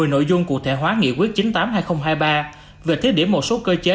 một mươi nội dung cụ thể hóa nghị quyết chín mươi tám hai nghìn hai mươi ba về thiết điểm một số cơ chế